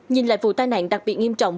nhìn lại vụ tai nạn đặc biệt nghiêm trọng